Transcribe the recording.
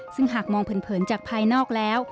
ซึ่งหากมองเผินจากภายนอกแล้ว